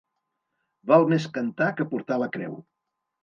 Val més cantar que portar la creu.